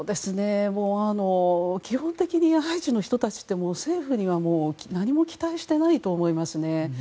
基本的にハイチの人たちって政府には何も期待していないと思いますね。